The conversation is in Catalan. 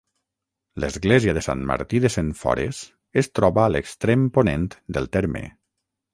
L'església de Sant Martí de Sentfores es troba a l’extrem ponent del terme.